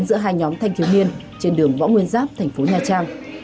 giữa hai nhóm thanh thiếu niên trên đường võ nguyên giáp tp nha trang